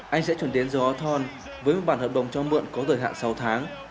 anh sẽ chuẩn đến gió thon với một bản hợp đồng cho mượn có thời hạn sáu tháng